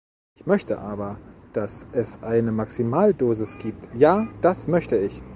Ich möchte aber, dass es eine Maximaldosis gibt, ja, das möchte ich!